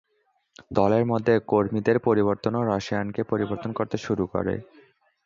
দলের মধ্যে কর্মীদের পরিবর্তনও রসায়নকে পরিবর্তন করতে শুরু করে।